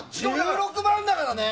１６万だからね。